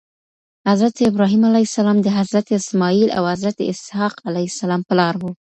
حضرت ابراهيم عليه السلام د حضرت اسماعيل او حضرت اسحاق عليه السلام پلار وو